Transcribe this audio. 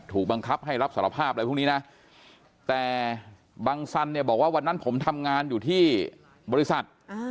ถูกบังคับให้รับสารภาพอะไรพวกนี้นะแต่บังสันเนี่ยบอกว่าวันนั้นผมทำงานอยู่ที่บริษัท